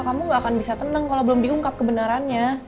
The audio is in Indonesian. kamu gak akan bisa tenang kalau belum diungkap kebenarannya